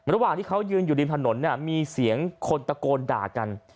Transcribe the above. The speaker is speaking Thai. ระหว่างที่เขายืนอยู่ริมถนนมีเสียงคนตะโกนด่ากัน